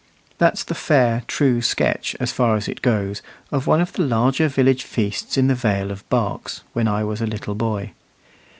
That's the fair, true sketch, as far as it goes, of one of the larger village feasts in the Vale of Berks, when I was a little boy.